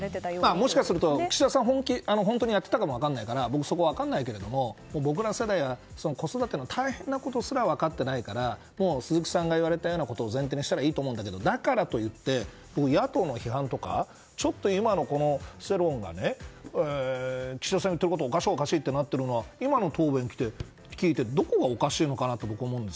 もしかすると岸田さんは本当にやっていたかも分からないから僕はそこは分からないけども僕ら世代は、子育ての大変なことすら分かっていないから鈴木さんが言われたようなことを前提にしたらいいんだろうけどだからといって、僕は野党の批判とかちょっと今の世論が岸田さんが言っていることおかしい、おかしいとなっているのは今の答弁聞いてどこがおかしいのかなと僕は思うんです。